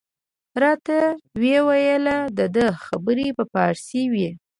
راته ویې ویل د ده خبرې په فارسي وې.